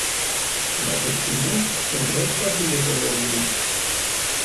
Las espinas son rectas y de color gris.